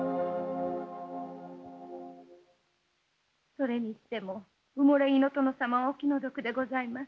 それにしても埋木の殿様はお気の毒でございます。